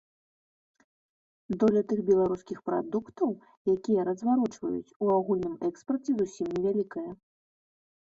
Доля тых беларускіх прадуктаў, якія разварочваюць, у агульным экспарце зусім невялікая.